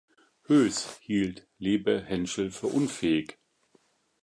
Höß hielt Liebehenschel für unfähig.